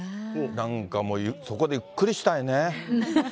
なんかもう、そこでゆっくりしたいね。